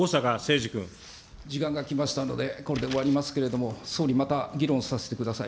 時間がきましたので、これで終わりますけれども、総理、また、議論させてください。